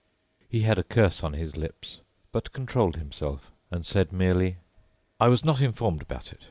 ." He had a curse on his lips, but controlled himself and said merely: "I was not informed about it.